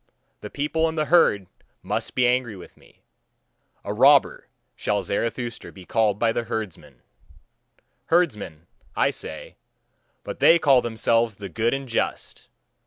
The people and the herd must be angry with me: a robber shall Zarathustra be called by the herdsmen. Herdsmen, I say, but they call themselves the good and just.